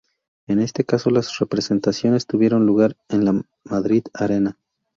En este caso, las representaciones tuvieron lugar en el Madrid Arena.